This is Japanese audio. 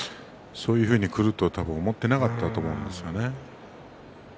そうやってくるんだと思っていなかったと思うんですよね。